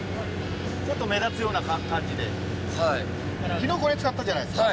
昨日これ使ったじゃないですか。